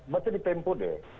baca di tempo deh